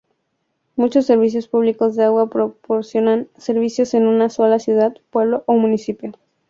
Muchos servicios públicos de agua proporcionan servicios en una sola ciudad, pueblo o municipio.